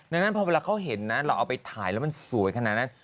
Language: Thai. ดังนั้นพอเวลาเขาเห็นนะเราเอาไปถ่ายแล้วมันสวยขนาดนั้น